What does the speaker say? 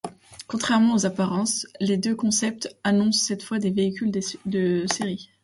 Contrairement aux apparences, les deux concepts annoncent cette fois des véhicules de série.